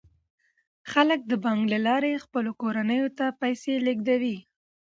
خلک د بانک له لارې خپلو کورنیو ته پیسې لیږدوي.